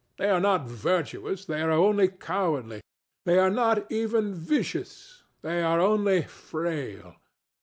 They are not virtuous: they are only cowardly. They are not even vicious: they are only "frail."